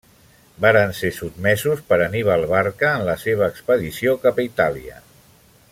Varen ser sotmesos per Anníbal Barca en la seva expedició cap a Itàlia.